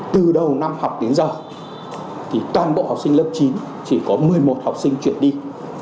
từ đầu năm học đến giờ thì toàn bộ học sinh lớp chín chỉ có một mươi một học sinh chuyển đi